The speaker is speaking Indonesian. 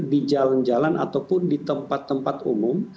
di jalan jalan ataupun di tempat tempat umum